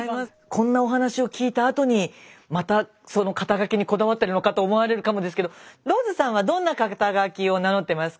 こんなお話を聞いたあとにまた肩書にこだわってるのかと思われるかもですけどローズさんはどんな肩書を名乗ってますか？